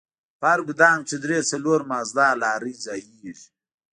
په هر ګودام کښې درې څلور مازدا لارۍ ځايېږي.